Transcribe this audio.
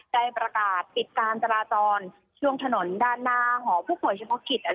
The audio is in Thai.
ได้ประกาศปิดการจราจรช่วงถนนด้านหน้าหอพศชกิจ